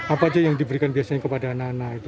apa aja yang diberikan biasanya kepada anak anak itu